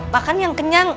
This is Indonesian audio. makan yang kenyang